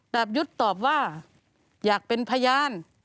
ยุทธ์ตอบว่าอยากเป็นพยาน